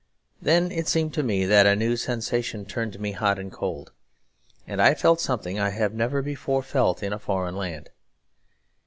Then it seemed to me that a new sensation turned me hot and cold; and I felt something I have never before felt in a foreign land.